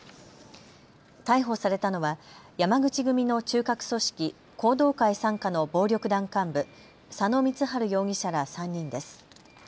逮捕されたのは山口組の中核組織、弘道会傘下の暴力団幹部、佐野光治容疑者ら３人です。